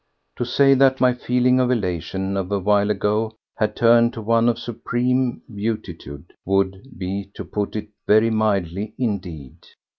To say that my feeling of elation of a while ago had turned to one of supreme beatitude would be to put it very mildly indeed.